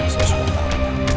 saya sudah tahu